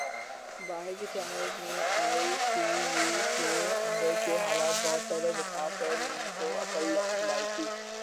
باہر کے چینلز نے آئی سی یو کے اندر کے حالات بہت پہلے دکھا کر لوگوں کو عقل دلائی تھی